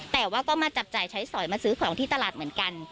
แต่ว่าก็มาจับจ่ายใช้สอยมาซื้อของที่ตลาดเหมือนกัน